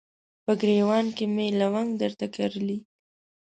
په ګریوان کې مې لونګ درته کرلي